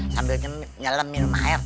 sambil nyelam minum air